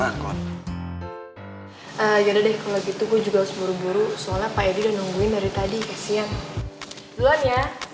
ya yaudah deh